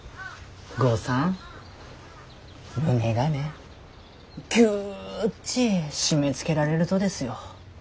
豪さん胸がねギュッち締めつけられるとですよ。